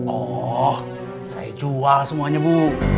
oh saya jual semuanya bu